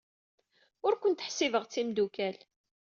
Ur kent-ḥsibeɣ d timeddukal.